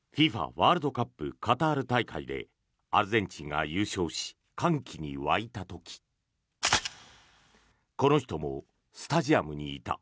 ワールドカップカタール大会でアルゼンチンが優勝し歓喜に沸いた時この人もスタジアムにいた。